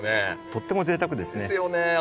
とってもぜいたくですね。ですよね。